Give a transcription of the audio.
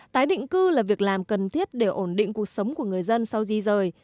tái định cư là việc làm cần thiết để ổn định cuộc sống của người dân sau di rời